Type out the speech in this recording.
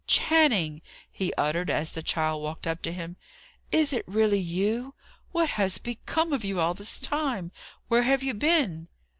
"Channing!" he uttered, as the child walked up to him. "Is it really you? What has become of you all this time? Where have you been?"